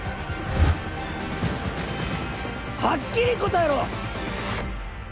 はっきり答えろ！